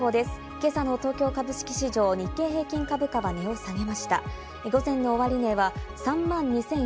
今朝の東京株式市場の日経平均株価は値を下げました。